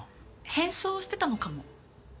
変装してたのかも。